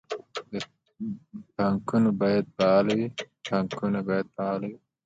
بانکونه باید فعال وي